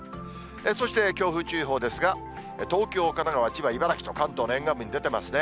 そして強風注意報ですが、東京、神奈川、千葉、茨城と、関東の沿岸部に出ていますね。